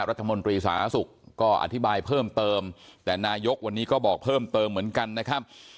รัฐมนตรีสาธารณสุขก็อธิบายเพิ่มเติมแต่นายกวันนี้ก็บอกเพิ่มเติมเหมือนกันนะครับ